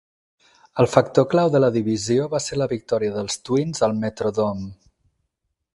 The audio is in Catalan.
El factor clau de la divisió va ser la victòria dels Twins al Metrodome.